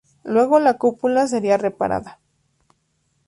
Luego la cúpula sería reparada.